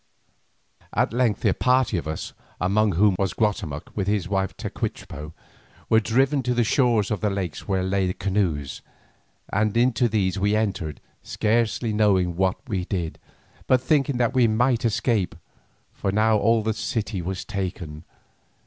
At length a party of us, among whom was Guatemoc with his wife Tecuichpo, were driven to the shores of the lake where lay canoes, and into these we entered, scarcely knowing what we did, but thinking that we might escape, for now all the city was taken.